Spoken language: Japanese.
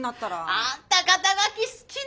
あんた肩書好きね。